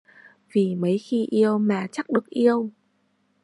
Vì mấy khi yêu mà chắc được yêu